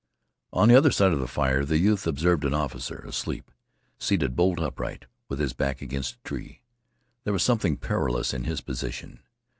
On the other side of the fire the youth observed an officer asleep, seated bolt upright, with his back against a tree. There was something perilous in his position.